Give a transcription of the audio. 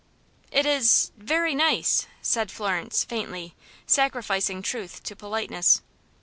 "It is very nice," said Florence, faintly, sacrificing truth to politeness.